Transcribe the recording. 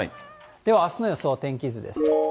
ではあすの予想天気図です。